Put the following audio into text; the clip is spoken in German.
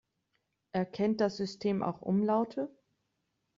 Erkennt das System auch Umlaute?